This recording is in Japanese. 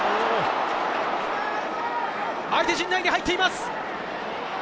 相手陣内に入っています。